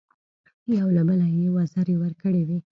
یو له بله یې وزرې ورکړې وې.